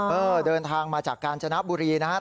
อือเดินทางมาจากการชะนับบุรีนะครับ